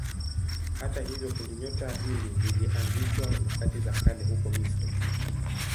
Hata hivyo kundinyota hili lilianzishwa nyakati za kale huko Misri.